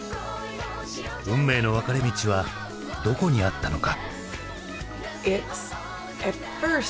運命の分かれ道はどこにあったのか。